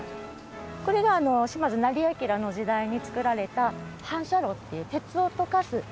これが島津斉彬の時代に造られた反射炉っていう鉄を溶かす施設の。